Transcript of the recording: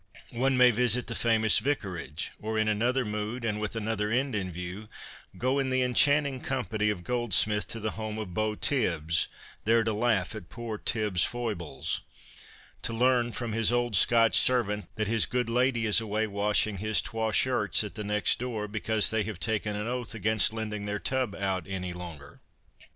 One may visit the famous Vicarage, or, in another mood and with another end in view, go in the enchanting company of Goldsmith to the home of Beau Tibbs, there to laugh at poor Tibbs' foibles, to learn from his old Scotch servant that his good lady is away washing his ' twa shirts ' at the next door, because they have taken an oath against lending their tub out any longer.